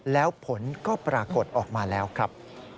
แล้วผลก็ปรากฏออกมาแล้วครับ